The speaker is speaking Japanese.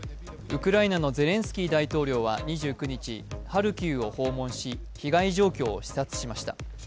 ウクライナのゼレンスキー大統領は２９日、ハルキウを訪問し、被害状況を視察しました。